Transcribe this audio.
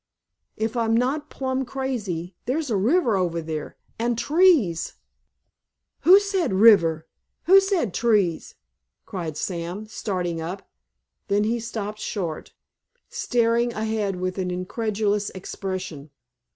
If I'm not plumb crazy there's a river over there, and trees——" "Who said 'river'—who said 'trees'?" cried Sam, starting up; then he stopped short, staring ahead with an incredulous expression.